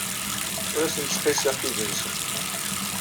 Ur asen-ttqissiɣ tiddi-nsen.